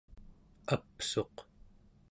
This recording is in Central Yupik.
apsuq